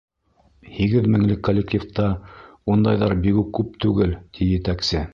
Һигеҙ меңлек коллективта ундайҙар бигүк күп түгел, — ти етәксе.